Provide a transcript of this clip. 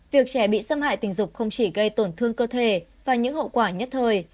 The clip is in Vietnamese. việc trẻ bị xâm hại tình dục không chỉ gây tổn thương cơ thể và những hậu quả nhất thời